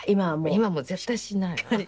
今はもう絶対しないわ。